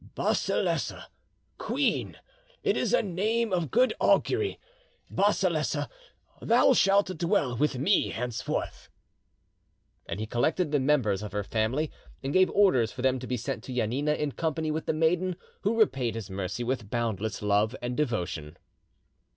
"Basilessa, Queen! it is a name of good augury. Basilessa, thou shalt dwell with me henceforth." And he collected the members of her family, and gave orders for them to be sent to Janina in company with the maiden, who repaid his mercy with boundless love and devotion.